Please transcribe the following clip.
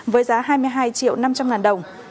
với giá hai mươi hai triệu năm trăm linh ngàn đồng